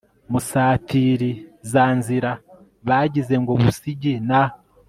Musatirizanzira bagize ngo Busigi na